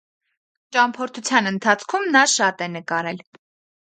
Ճամփորդության ընթացքում նա շատ է նկարել։